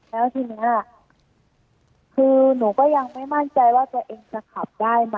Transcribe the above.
แล้วทีนี้ล่ะคือหนูก็ยังไม่มั่นใจว่าตัวเองจะขับได้ไหม